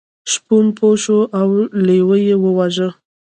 شپون پوه شو او لیوه یې وواژه.